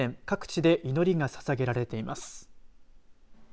各地で祈りがささげられています。